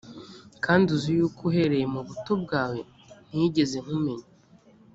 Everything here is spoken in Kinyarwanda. kandi uzi yuko uhereye mu buto bwawe ntigeze nkumenya